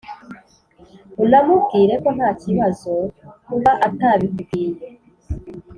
unamubwire ko nta kibazo kuba atabikubwiye,